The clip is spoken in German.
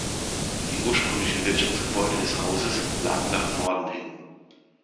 Die ursprünglichen Wirtschaftsgebäude des Hauses lagen nach Norden hin.